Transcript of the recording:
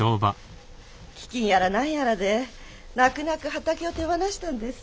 飢饉や何やらで泣く泣く畑を手放したんです。